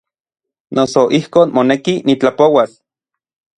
Noso ijkon moneki nitlapouas.